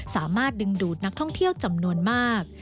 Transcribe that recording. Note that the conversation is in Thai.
สามารถดึงดูดนักท่องเที่ยวจำนวนมาก